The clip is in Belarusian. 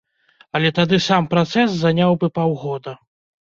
Але тады сам працэс заняў бы паўгода.